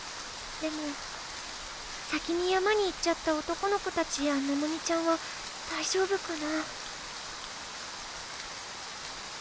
でも先に山に行っちゃった男の子たちやののみちゃんはだいじょうぶかな？